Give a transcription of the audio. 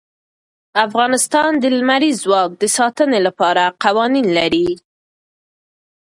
افغانستان د لمریز ځواک د ساتنې لپاره قوانین لري.